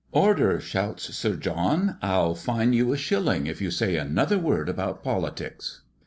"Order!" shouts Sir John, "I'll fine you a shilling if you say another word about politics."